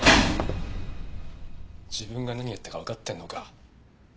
自分が何やったかわかってんのか？